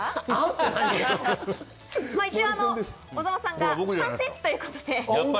一応、小澤さんが３ｃｍということで。